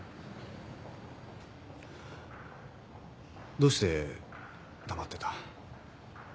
どうして黙ってた？